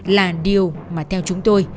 là điều mà theo chúng tôi